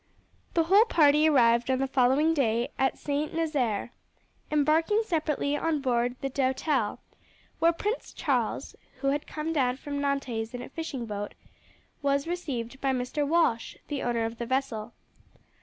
The whole party arrived on the following day at St. Nazaire, embarking separately on board the Doutelle, where Prince Charles, who had come down from Nantes in a fishing boat, was received by Mr. Walsh, the owner of the vessel.